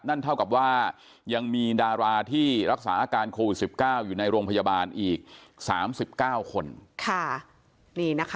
นั่นเท่ากับว่ายังมีดาราที่รักษาอาการโควิด๑๙อยู่ในโรงพยาบาลอีก๓๙คน